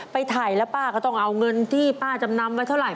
ไปถ่ายแล้วป้าก็ต้องเอาเงินที่ป้าจำนำไว้เท่าไห